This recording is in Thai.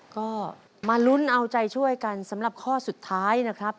ก็มาลุ้นเอาใจช่วยกันสำหรับข้อสุดท้ายนะครับ